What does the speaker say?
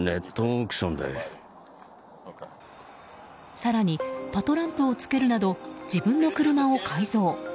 更に、パトランプを付けるなど自分の車を改造。